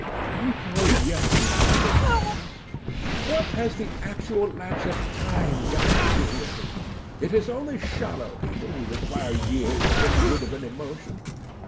"You call yesterday the past?" "What has the actual lapse of time got to do with it? It is only shallow people who require years to get rid of an emotion.